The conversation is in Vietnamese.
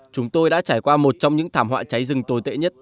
chúng tôi đã trải qua một trong những thảm họa cháy rừng tồi tệ nhất